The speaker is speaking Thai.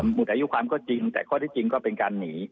หมดอายุความก็จริงแต่ข้อที่จริงก็เป็นการหนี